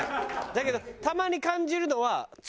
だけどたまに感じるのは。